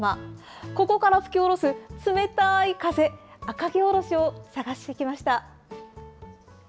ここから吹き降ろす冷たい風、赤城おろしを探してきました。